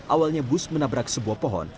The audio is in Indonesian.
awalnya bus menabrak sebuah pohon